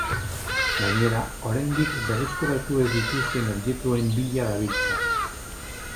Gainera, oraindik berreskuratu ez dituzten objektuen bila dabiltza.